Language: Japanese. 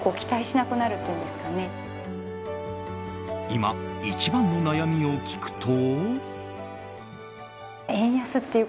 今、一番の悩みを聞くと。